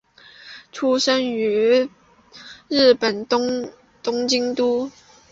出身于日本东京都。